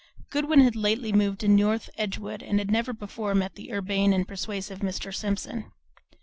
Goodwin had lately moved to North Edgewood and had never before met the urbane and persuasive Mr. Simpson.